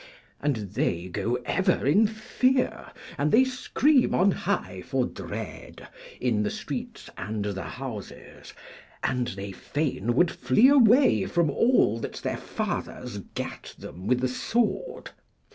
And they go ever in fear, and they scream on high for dread in the streets and the houses, and they fain would flee away from all that their fathers gat them with the sword.